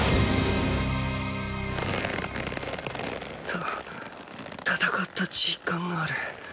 た戦った実感がある。